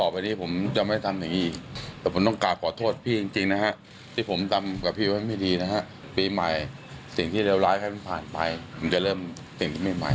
มันจะเริ่มเป็นสิ่งที่ไม่ใหม่แล้วกันเนอะ